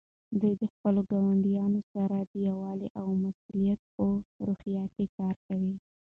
دوی د خپلو ګاونډیانو سره د یووالي او مسؤلیت په روحیه کار کوي.